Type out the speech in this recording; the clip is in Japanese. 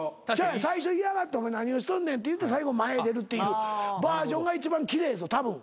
最初嫌がってお前何をしとんねんって言うて最後前出るってバージョンが一番奇麗ぞたぶん。